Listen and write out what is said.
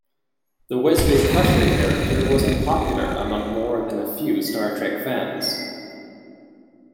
The Wesley Crusher character was unpopular among more than a few "Star Trek" fans.